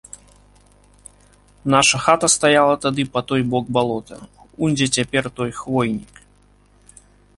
Наша хата стаяла тады па той бок балота, унь дзе цяпер той хвойнік.